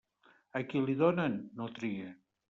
A qui li donen, no tria.